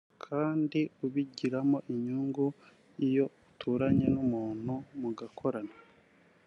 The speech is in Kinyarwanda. kandi ubigiramo inyungu iyo uturanye n’umuntu mugakorana